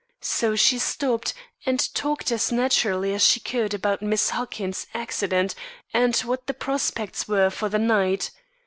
So she stopped and talked as naturally as she could about Miss Huckins's accident and what the prospects were for the night.